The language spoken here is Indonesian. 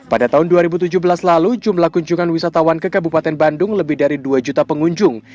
pada tahun dua ribu tujuh belas lalu jumlah kunjungan wisatawan ke kabupaten bandung lebih dari dua juta pengunjung